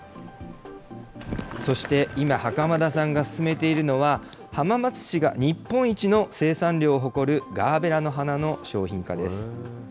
そして今、袴田さんが進めているのは、浜松市が日本一の生産量を誇るガーベラの花の商品化です。